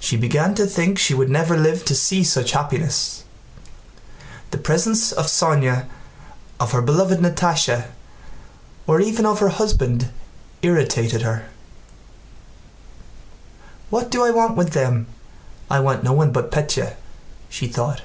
She began to think she would never live to see such happiness. The presence of Sónya, of her beloved Natásha, or even of her husband irritated her. "What do I want with them? I want no one but Pétya," she thought.